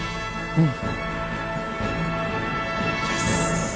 うん。